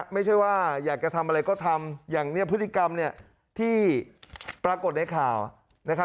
ไม่ใช่ว่าอยากจะทำอะไรก็ทำอย่างพฤติกรรมที่ปรากฏในค่า